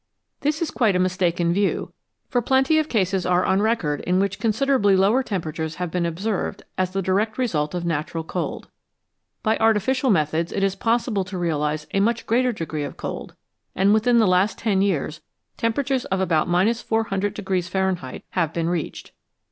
This is quite a mistaken view, for plenty of cases are on record in which considerably lower temperatures have been observed as the direct result of natural cold. By artificial methods it is possible to realise a much greater degree of cold, and within the last ten years temperatures of about 400 Fahrenheit have been reached.